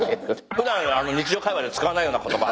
普段日常会話で使わないような言葉。